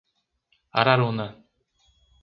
Araruna